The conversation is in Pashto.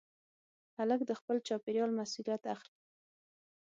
هلک د خپل چاپېریال مسؤلیت اخلي.